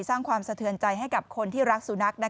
สร้างความสะเทือนใจให้กับคนที่รักสุนัข